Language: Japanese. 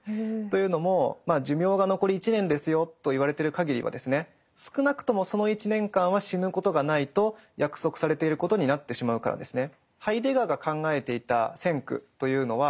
というのも寿命が残り１年ですよと言われてる限りはですね少なくともその１年間は死ぬことがないと約束されていることになってしまうからですね。